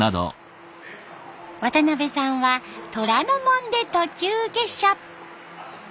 渡辺さんは虎ノ門で途中下車。